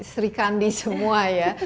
sri kandi semua ya